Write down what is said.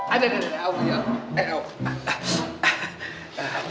aduh aduh aduh